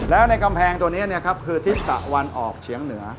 แล้วในกำแพงตัวนี้คือทิศตะวันออกเฉียงเหนือ